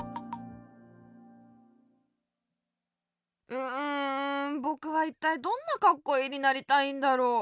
うんぼくはいったいどんなカッコイイになりたいんだろう？